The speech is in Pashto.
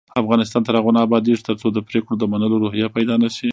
افغانستان تر هغو نه ابادیږي، ترڅو د پریکړو د منلو روحیه پیدا نشي.